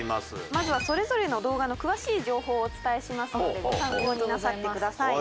まずはそれぞれの動画の詳しい情報をお伝えしますのでご参考になさってください。